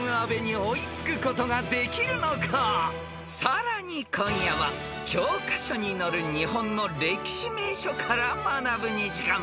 ［さらに今夜は教科書に載る日本の歴史名所から学ぶ２時間］